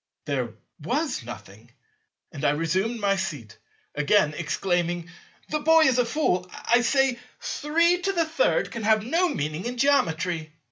There was nothing; and I resumed my seat, again exclaiming, "The boy is a fool, I say; 33 can have no meaning in Geometry."